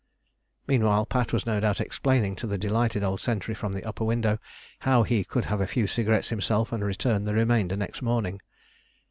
Meanwhile Pat was no doubt explaining to the delighted old sentry from the upper window how he could have a few cigarettes himself and return the remainder next morning.